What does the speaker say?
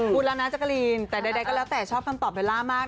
พูดแล้วนะจักรีนแต่ใดก็แล้วแต่ชอบคำตอบเบลล่ามาก